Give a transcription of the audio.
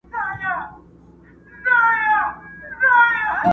o هم ئې قسم واخستى، هم ئې دعوه بايلول!